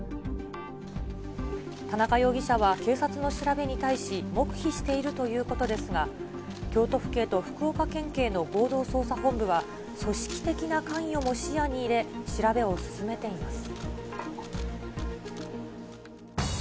田中容疑者は警察の調べに対し黙秘しているということですが、京都府警と福岡県警の合同捜査本部は、組織的な関与も視野に入れ、調べを進めています。